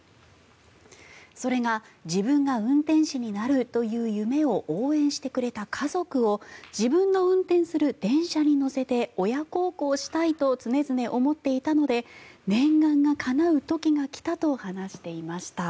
それが、自分が運転士になるという夢を応援してくれた家族を自分の運転する電車に乗せて親孝行したいと常々思っていたので念願がかなう時が来たと話していました。